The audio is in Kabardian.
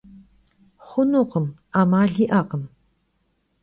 Xhunukhım, 'emal yi'ekhım.